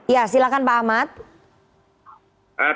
ya silakan pak ahmad